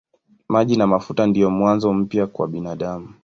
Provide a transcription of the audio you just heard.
Maji na mafuta ndiyo mwanzo mpya kwa binadamu.